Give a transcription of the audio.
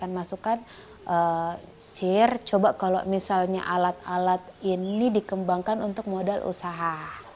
jadi kami juga memberikan masukan cira coba kalau misalnya alat alat ini dikembangkan untuk modal usaha